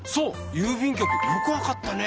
郵便局よくわかったね。